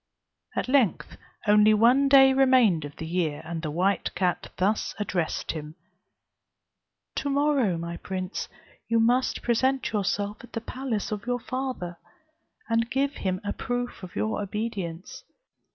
At length only one day remained of the year, when the white cat thus addressed him: "To morrow, my prince, you must present yourself at the palace of your father, and give him a proof of your obedience.